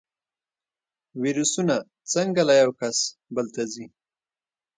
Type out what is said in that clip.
ویروسونه څنګه له یو کس بل ته ځي؟